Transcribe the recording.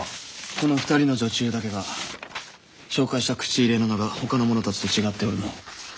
この２人の女中だけが紹介した口入れの名がほかの者たちと違っておるの。